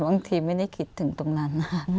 บางทีไม่ได้คิดถึงตรงนั้น